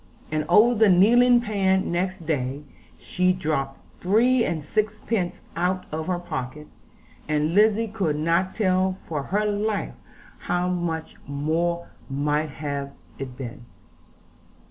And over the kneading pan next day, she dropped three and sixpence out of her pocket; and Lizzie could not tell for her life how much more might have been in it.